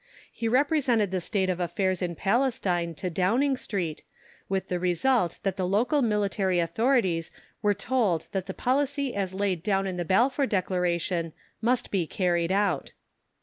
He represented the state of affairs in Palestine to Downing Street, with the result that the local military authorities were told that the policy as laid down in the Balfour Declaration must be carried out.